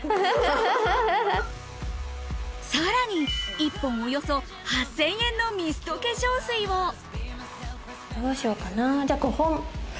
さらに１本およそ８０００円のミスト化粧水をどうしようかな？